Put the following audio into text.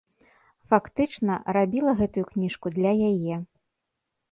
Фактычна, рабіла гэтую кніжку для яе.